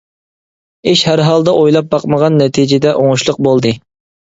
ئىش ھەر ھالدا ئويلاپ باقمىغان نەتىجىدە ئوڭۇشلۇق بولدى.